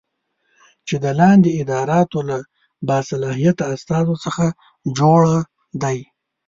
چې د لاندې اداراتو له باصلاحیته استازو څخه جوړه دی